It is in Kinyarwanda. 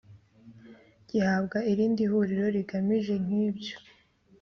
Gihabwa irindi huriro rigamije nk ibyo